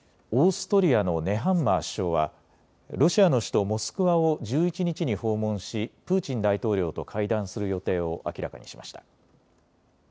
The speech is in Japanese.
オーストリアのネハンマー首相はロシアの首都モスクワを１１日に訪問しプーチン大統領と会談する予定を明らかにしました。